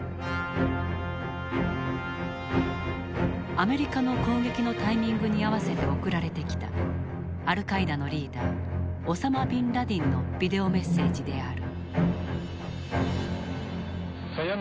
アメリカの攻撃のタイミングに合わせて送られてきたアルカイダのリーダーオサマ・ビンラディンのビデオメッセージである。